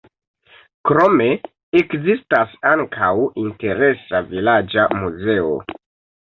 Krome ekzistas ankaŭ interesa vilaĝa muzeo.